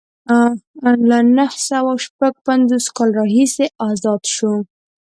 له نهه سوه شپږ پنځوس کال راهیسې ازاد شو.